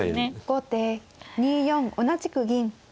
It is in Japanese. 後手２四同じく銀。